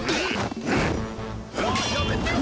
あっやめてよ！